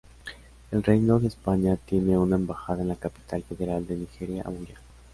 El Reino de España tiene una embajada en la capital federal de Nigeria, Abuya.